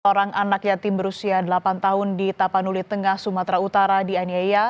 orang anak yatim berusia delapan tahun di tapanuli tengah sumatera utara dianiaya